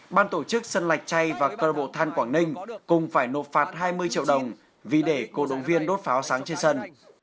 ban tổ chức sân lạch chay và cơ than quảng ninh cùng phải nộp phạt hai mươi triệu đồng vì để cổ động viên đốt pháo sáng trên sân